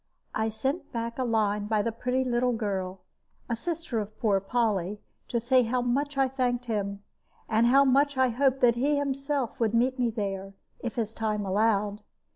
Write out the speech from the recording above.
I sent back a line by the pretty little girl, a sister of poor Polly, to say how much I thanked him, and how much I hoped that he himself would meet me there, if his time allowed.